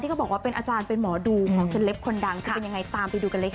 เขาบอกว่าเป็นอาจารย์เป็นหมอดูของเซลปคนดังจะเป็นยังไงตามไปดูกันเลยค่ะ